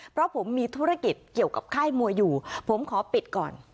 เพราะผมมีธุรกิจเกี่ยวกับค่ายมวยอยู่ผมขอปิดก่อน